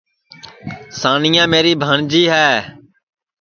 سانیا میری بھانٚجی ہے